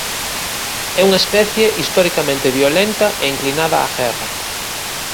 É unha especie historicamente violenta e inclinada á guerra.